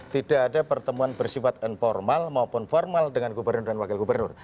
tidak ada pertemuan bersifat informal maupun formal dengan gubernur dan wakil gubernur